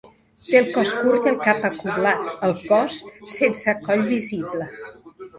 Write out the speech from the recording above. Té el cos curt i el cap acoblat al cos sense coll visible.